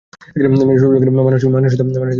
মানুষের একটা তো ধর্মের পরিচয় আছে।